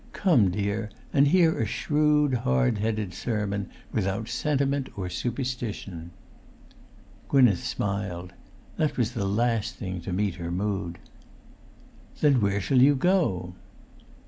Come, dear, and hear a shrewd, hard headed sermon, without sentiment or superstition!" Gwynneth smiled. That was the last thing to meet her mood. "Then where shall you go?"